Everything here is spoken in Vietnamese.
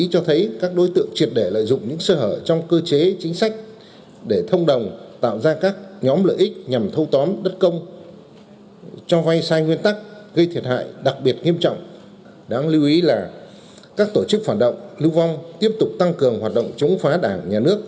các tổ chức phản động lưu vong tiếp tục tăng cường hoạt động chống phá đảng nhà nước